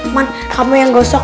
uman kamu yang gosok